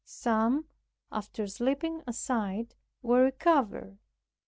Some, after slipping aside, were recovered.